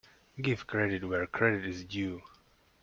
Give credit where credit is due.